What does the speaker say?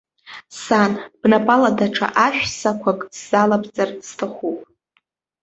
Сан, бнапала даҽа ашәсақәак сзалабҵар сҭахуп.